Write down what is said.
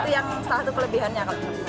itu yang satu kelebihannya